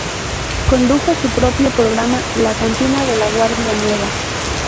Condujo su propio programa, "La cantina de la Guardia Nueva".